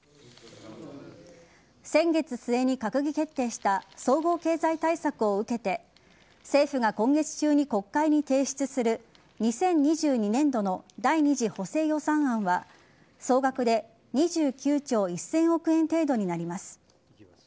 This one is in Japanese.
先月末に閣議決定した総合経済対策を受けて政府が今月中に国会に提出する２０２２年度の第２次補正予算案は総額で２９兆１０００億円程度になります。